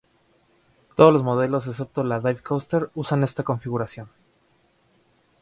Todos los modelos excepto la "dive coaster" usan esta configuración.